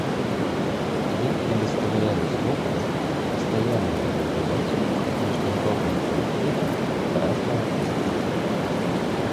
Я предоставляю слово Постоянному наблюдателю от Международного комитета Красного Креста.